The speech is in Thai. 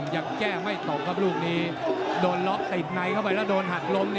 ยังแก้ไม่ตกครับลูกนี้โดนล็อกติดในเข้าไปแล้วโดนหักล้ม